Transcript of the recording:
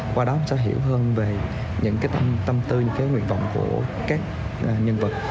qua đó sẽ hiểu hơn về những cái tâm tư những cái nguyện vọng của các nhân vật